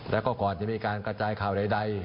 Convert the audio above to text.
แล้วก็ก่อนจะมีการกระจายข่าวใด